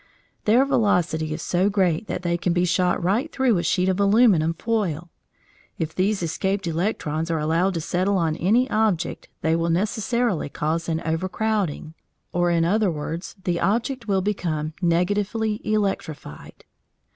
Their velocity is so great that they can be shot right through a sheet of aluminium foil. If these escaped electrons are allowed to settle on any object, they will necessarily cause an overcrowding, or, in other words, the object will become negatively electrified.